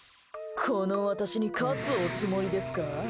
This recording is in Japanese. この私に勝つおつもりですか？